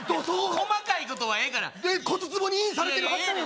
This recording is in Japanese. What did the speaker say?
細かいことはええから骨壺にインされてるはずなのに？